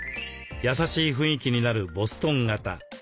やさしい雰囲気になるボストン型。